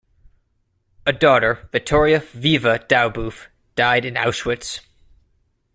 A daughter, Vittoria "Viva" Daubeuf, died in Auschwitz.